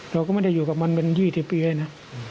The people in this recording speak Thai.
เราก็ไม่ได้อยู่กับมันอีกวินาทีเปียอน่ะ